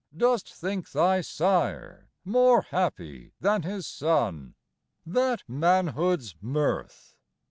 Dost think thy sire More happy than his son? That manhood's mirth?